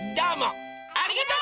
ありがとう！